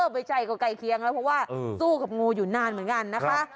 ไม่ใช่ก็ใกล้เคียงแล้วเพราะว่าสู้กับงูอยู่นานเหมือนกันนะคะ